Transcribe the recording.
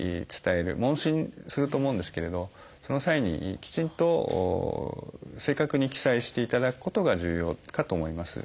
問診すると思うんですけれどその際にきちんと正確に記載していただくことが重要かと思います。